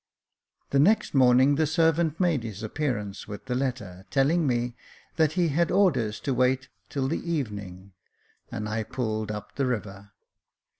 The next morning the servant made his appearance with the letter, telling me that he had orders to wait till the evening ; and I pulled up the river.